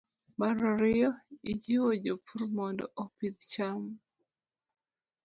Mar ariyo, ijiwo jopur mondo opidh cham